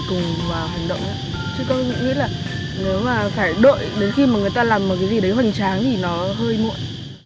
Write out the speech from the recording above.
cùng vào hành động chứ tôi nghĩ là nếu mà phải đợi đến khi mà người ta làm một cái gì đấy hoành tráng thì nó hơi muộn